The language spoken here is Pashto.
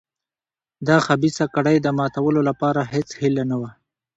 د خبیثه کړۍ د ماتولو لپاره هېڅ هیله نه وه.